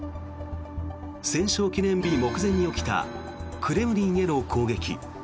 戦勝記念日目前に起きたクレムリンへの攻撃。